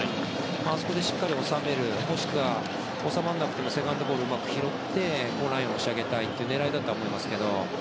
あそこでしっかり収めるもしくは、収まらなくてもセカンドボールをうまく拾ってラインを押し上げたいという狙いだと思います。